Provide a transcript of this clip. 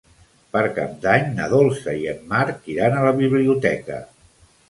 Per Cap d'Any na Dolça i en Marc iran a la biblioteca.